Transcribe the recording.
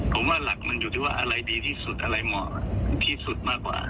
ผมว่าหลักมันอยู่ที่ว่าอะไรดีที่สุดอะไรเหมาะที่สุดมากกว่า